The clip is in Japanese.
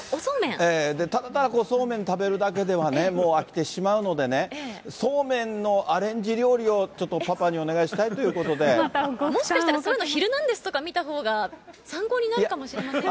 ただただそうめん食べるだけでは、もう飽きてしまうのでね、そうめんのアレンジ料理をちょっとパパにお願いしたいということもしかしたら、そういうの、昼ナンデスとか見たほうが参考になるかもしれませんが。